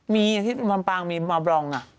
มีบางมีมาบรองน่ะ